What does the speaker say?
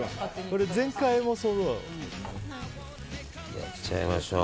やっちゃいましょう。